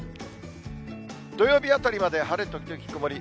土曜日あたりまで晴れ時々曇り。